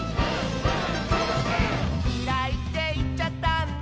「きらいっていっちゃったんだ」